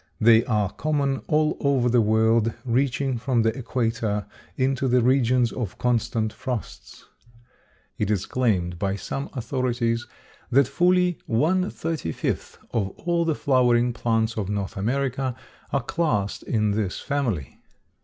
They are common all over the world, reaching from the equator into the regions of constant frosts. It is claimed by some authorities that fully one thirty fifth of all the flowering plants of North America are classed in this family.